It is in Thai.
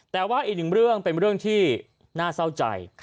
แต่ว่าอีกหนึ่งเรื่องเป็นเรื่องที่น่าเศร้าใจ